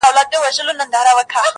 o دا ستا خبري او ښكنځاوي گراني .